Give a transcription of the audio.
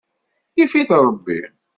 Yif-it Ṛebbi.